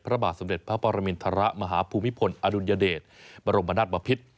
พระบาทสมเด็จพระปรมินทรมาฮภูมิพลอดุลยเดชบรมนาศบพิษ